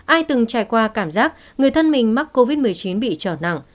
ai từng trải qua cảm giác người thân mình mắc covid một mươi chín bị trở nặng